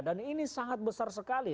dan ini sangat besar sekali